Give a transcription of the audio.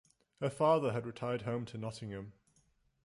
Her father had retired home to Nottingham.